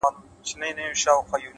خداى پاماني كومه-